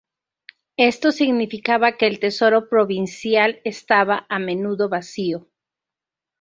Esto significaba que el tesoro provincial estaba a menudo vacío.